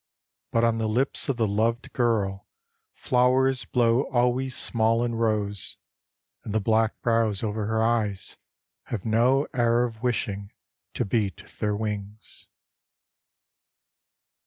But on the lips of the loved girl flowers blow always small and rose, And the black brows over her eyes have no air of wishing to beat their wings.